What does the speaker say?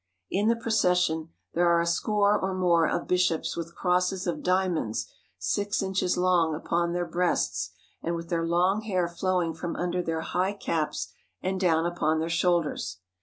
In the procession there are a score or more of bishops with crosses of diamonds six inches long upon their breasts, and with their long hair flowing from under their high caps and down upon their shoulders.